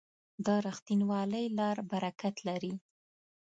د رښتینولۍ لار برکت لري.